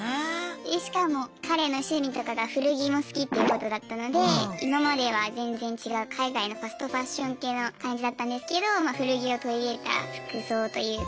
でしかも彼の趣味とかが古着も好きっていうことだったので今までは全然違う海外のファストファッション系の感じだったんですけど古着を取り入れた服装というか。